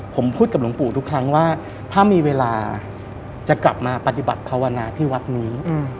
ผมพูดกับหลวงปู่ทุกครั้งว่าถ้ามีเวลาจะกลับมาปฏิบัติภาวนาที่วัดนี้